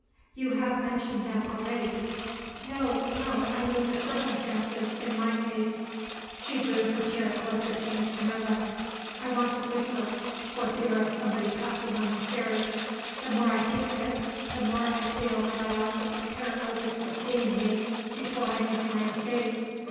"You have mentioned them already." "No! no! I mean the circumstances, in my case." She drew her chair closer to Miss Minerva. "I want to whisper for fear of somebody passing on the stairs. The more I think of it, the more I feel that I ought to prepare Ovid for seeing me, before I make my escape.